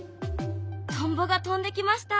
トンボが飛んできました。